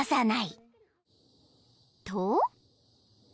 ［と］